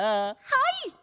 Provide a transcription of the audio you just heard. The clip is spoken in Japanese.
はい！